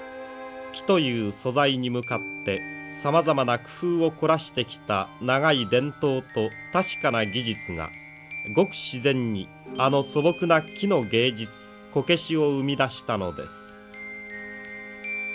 木という素材に向かってさまざまな工夫を凝らしてきた長い伝統と確かな技術がごく自然にあの素朴な木の芸術こけしを生み出したのです。